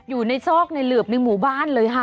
ซอกในเหลือบในหมู่บ้านเลยค่ะ